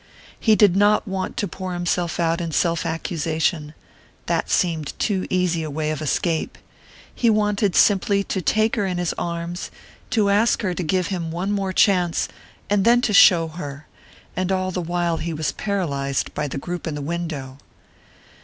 He did not want to pour himself out in self accusation that seemed too easy a way of escape. He wanted simply to take her in his arms, to ask her to give him one more chance and then to show her! And all the while he was paralyzed by the group in the window.